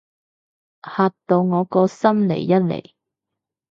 嚇到我個心離一離